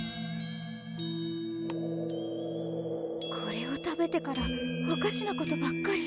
これを食べてからおかしなことばっかり。